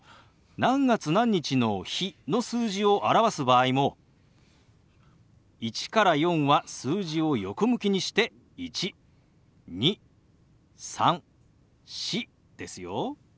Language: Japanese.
何月何日の「日」の数字を表す場合も１から４は数字を横向きにして「１」「２」「３」「４」ですよ。